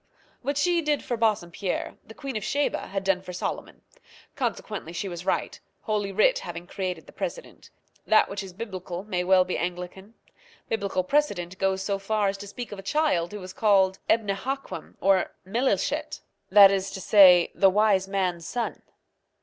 What she did for Bassompierre the Queen of Sheba had done for Solomon; consequently she was right, Holy Writ having created the precedent. That which is biblical may well be Anglican. Biblical precedent goes so far as to speak of a child who was called Ebnehaquem or Melilechet that is to say, the Wise Man's son.